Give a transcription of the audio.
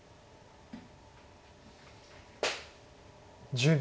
１０秒。